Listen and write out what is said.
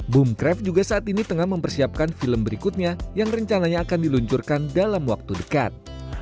boomcraft juga saat ini tengah mempersiapkan film berikutnya yang rencananya akan diluncurkan dalam waktu dekat